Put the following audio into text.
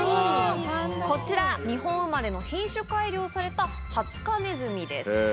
こちら、日本生まれの品種改良されたハツカネズミです。